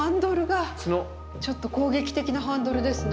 ちょっと攻撃的なハンドルですね。